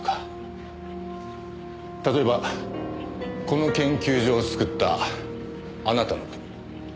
例えばこの研究所を作ったあなたの国。